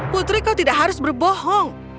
putri kau tidak harus berbohong